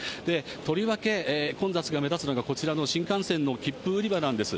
とりわけ、混雑が目立つのが、こちらの新幹線の切符売り場なんです。